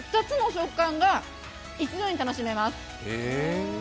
２つの食感が一度に楽しめます。